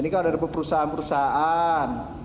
ini kan dari perusahaan perusahaan